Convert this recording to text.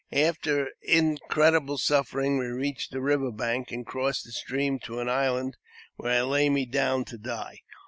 After incredible suffering we reached the river bank, and crossed the stream to an island, where I lay me down to die.